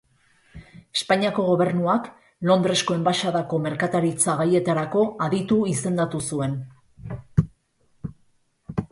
Espainiako gobernuak Londresko Enbaxadako merkataritza gaietarako aditu izendatu zuen.